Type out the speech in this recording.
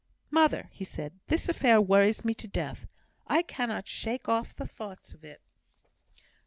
"Mother," he said, "this affair worries me to death. I cannot shake off the thoughts of it."